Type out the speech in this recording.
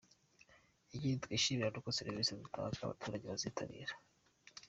Ikindi twishimira ni uko serivisi dutanga abaturage bazitabira.